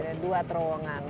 ramai dua terowongan